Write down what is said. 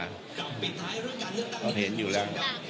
อันนี้จะต้องจับเบอร์เพื่อที่จะแข่งกันแล้วคุณละครับ